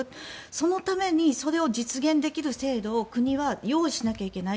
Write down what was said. そのためにそれを実現できる制度を国は用意しなきゃいけない。